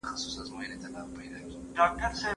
غرغښت